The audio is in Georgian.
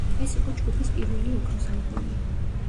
ეს იყო ჯგუფის პირველი ოქროს ალბომი.